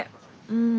うん。